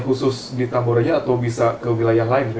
khusus di tamboraja atau bisa ke wilayah lain